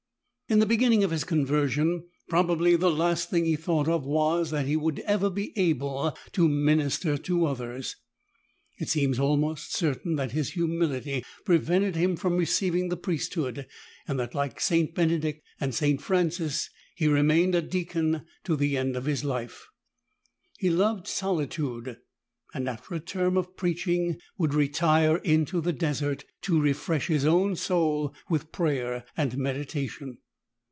In the beginning of his conversion, probably the last thing he thought of was that he would ever be able to minister to others. It seems almost certain that his humility pre vented him from receiving the priesthood, and that like St. Benedict and St. Francis he remained a deacon to the end of his life. He loved solitude, and after a term of preach ing would retire into the desert to refresh his own soul with prayer and meditation.